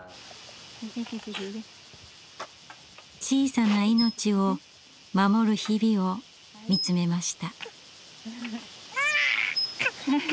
小さな命を守る日々を見つめました。